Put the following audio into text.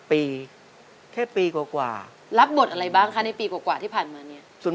นี่ปีถ้าไปอยู่ในคณะเรียน